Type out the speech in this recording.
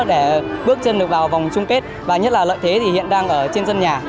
để bước chân được vào vòng chung kết và nhất là lợi thế thì hiện đang ở trên sân nhà